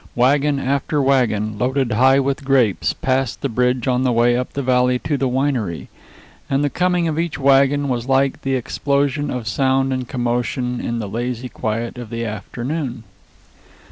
Wagon after wagon, loaded high with grapes, passed the bridge on the way up the valley to the winery, and the coming of each wagon was like the explosion of sound and commotion in the lazy quiet of the afternoon.